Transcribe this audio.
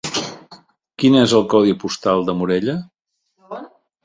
Quin és el codi postal de Morella?